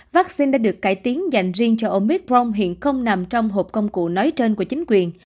vaccine đã được cải tiến dành riêng cho ông micron hiện không nằm trong hộp công cụ nói trên của chính quyền